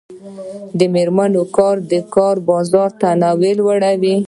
د میرمنو کار د کار بازار تنوع لوړوي.